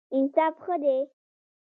انصاف ښه دی.